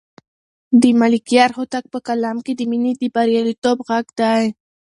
د ملکیار هوتک په کلام کې د مینې د بریالیتوب غږ دی.